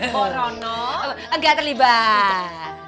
corona gak terlibat